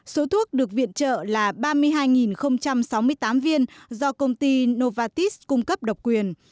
số thuốc được viện trợ là ba mươi hai sáu mươi tám viên do công ty novatis cung cấp độc quyền